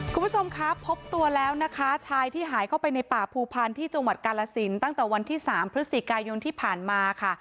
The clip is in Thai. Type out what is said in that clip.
คุณผู้ชมครับพบตัวแล้วนะคะชายที่หายเข้าไปในป่าภูพันธ์ที่จังหวัดกาลสินตั้งแต่วันที่๓พฤศจิกายนที่ผ่านมาค่ะ